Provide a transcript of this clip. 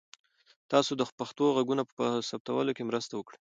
تاسو د پښتو ږغونو په ثبتولو کې مرسته وکړئ.